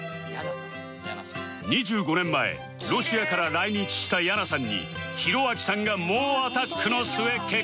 ２５年前ロシアから来日したヤナさんに公亮さんが猛アタックの末結婚